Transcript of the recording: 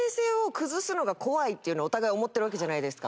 っていうのをお互い思ってるわけじゃないですか。